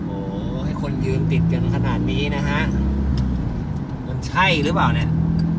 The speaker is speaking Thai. โอ้โหให้คนยืนติดกันขนาดนี้นะฮะมันใช่หรือเปล่าเนี่ย